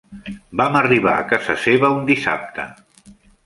Vam arribar a casa seva un dissabte.